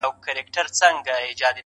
ډکي هدیرې به سي تشي بنګلې به سي-